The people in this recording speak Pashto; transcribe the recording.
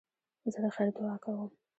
زه د خیر دؤعا کوم.